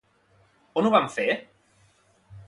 On ho van fer?